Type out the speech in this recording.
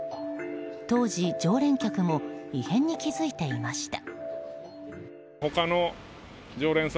当時、常連客も異変に気づいていました。